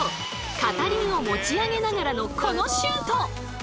片輪を持ち上げながらのこのシュート！